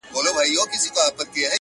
o بخت و شنې!